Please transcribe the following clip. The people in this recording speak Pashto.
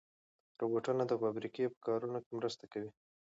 روبوټونه د فابریکو په کارونو کې مرسته کوي.